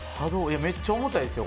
めっちゃ重たいですよ。